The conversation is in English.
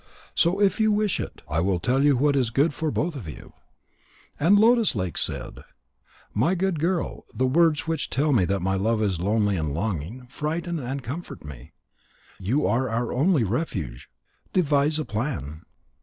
So, if you wish it, I will tell you what is good for both of you." And Lotus lake said: "My good girl, the words which tell me that my love is lonely and longing, frighten me and comfort me. You are our only refuge. Devise a plan."